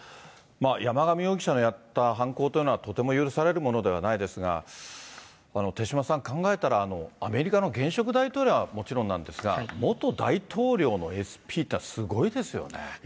山上容疑者のやった犯行というのはとても許されるものではないですが、手嶋さん、考えたらアメリカの現職大統領はもちろんなんですが、元大統領のＳＰっていうのはすごいですよね。